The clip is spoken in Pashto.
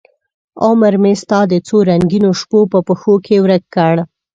عمرمې ستا د څورنګینوشپو په پښوکې ورک کړ